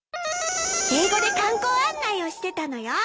英語で観光案内をしてたのよ。